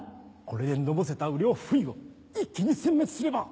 これでのぼせた呂不韋を一気に殲滅すれば！